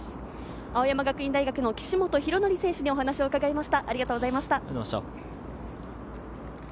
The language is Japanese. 青山学院大学の岸本大紀選手にお話を伺いました。